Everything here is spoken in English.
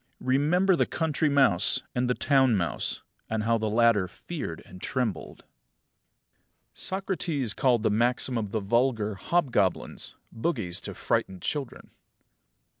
Remember the country mouse and the town mouse; and how the latter feared and trembled. 23. Socrates called the maxims of the vulgar hobgoblins, bogies to frighten children.